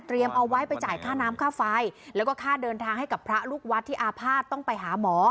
เอาไว้ไปจ่ายค่าน้ำค่าไฟแล้วก็ค่าเดินทางให้กับพระลูกวัดที่อาภาษณ์ต้องไปหาหมอ